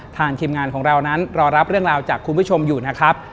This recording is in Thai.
ทีมงานของเรานั้นรอรับเรื่องราวจากคุณผู้ชมอยู่นะครับ